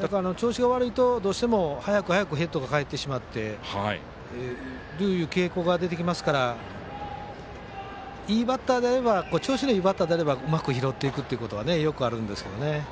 だから、調子が悪いとどうしても早く早くヘッドが返ってしまうという傾向が出てきますから調子がいいバッターであればうまく拾っていくということはよくあるんですけどね。